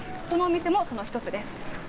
このお店もその一つです。